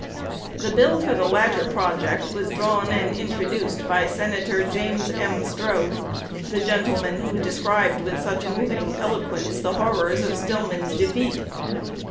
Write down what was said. The bill for the latter project was drawn and introduced by Senator James M. Strode, the gentleman who described with such moving eloquence the horrors of Stillman's defeat.